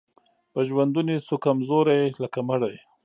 په ژوندوني سو کمزوری لکه مړی